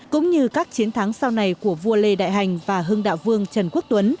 cũng như các chiến thắng sau này của vua lê đại hành và hưng đạo vương trần quốc tuấn